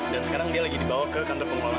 dan sekarang dia lagi dibawa ke kantor pengolah kampus